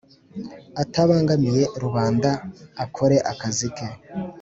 atabangamiye rubanda akore akazi ke